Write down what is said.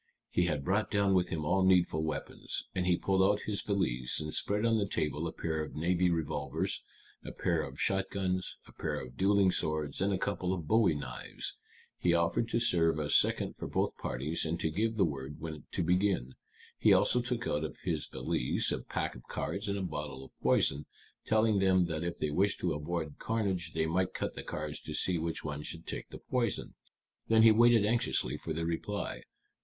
He had brought down with him all needful weapons. And he pulled out his valise, and spread on the table a pair of navy revolvers, a pair of shotguns, a pair of dueling swords, and a couple of bowie knives. He offered to serve as second for both parties, and to give the word when to begin. He also took out of his valise a pack of cards and a bottle of poison, telling them that if they wished to avoid carnage they might cut the cards to see which one should take the poison. Then he waited anxiously for their reply.